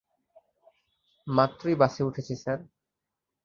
মাত্রই বাসে উঠেছি, স্যার।